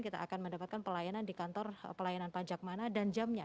kita akan mendapatkan pelayanan di kantor pelayanan pajak mana dan jamnya